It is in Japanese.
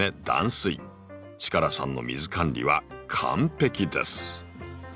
力さんの水管理は完璧です。